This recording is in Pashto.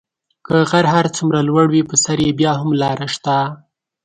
که غر هر څومره لوړ وي په سر یې بیا هم لاره شته .